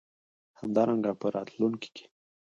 همدارنګه په راتلونکې کې